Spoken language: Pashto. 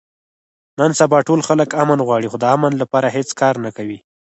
نن سبا ټول خلک امن غواړي، خو د امن لپاره هېڅ کار نه کوي.